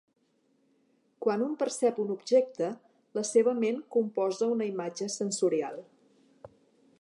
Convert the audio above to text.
Quan un percep un objecte, la seva ment composa una imatge sensorial.